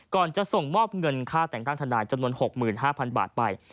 จะส่งมอบเงินค่าแต่งตั้งทนายจำนวน๖๕๐๐๐บาทไป